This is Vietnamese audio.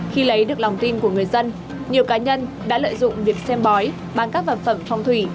khi lấy được lòng tin của người dân nhiều cá nhân đã lợi dụng việc xem bói bằng các vật phẩm phòng thủy